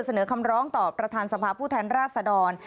เสนอคำร้องต่อประธานสภาพผู้แทนราชดร